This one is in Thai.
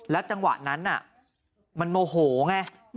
แล้วจังหวะนั้นน่ะมันโมโหไง